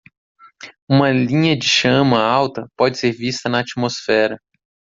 Uma linha de chama alta pode ser vista na atmosfera.